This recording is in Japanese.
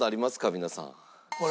皆さん。